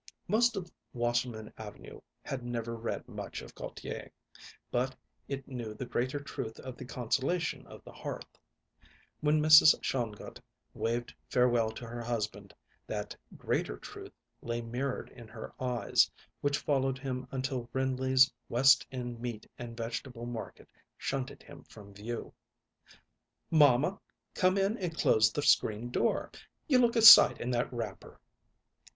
Most of Wasserman Avenue had never read much of Gautier, but it knew the greater truth of the consolation of the hearth. When Mrs. Shongut waved farewell to her husband that greater truth lay mirrored in her eyes, which followed him until Rindley's West End Meat and Vegetable Market shunted him from view. "Mamma, come in and close the screen door you look a sight in that wrapper."